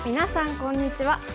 こんにちは。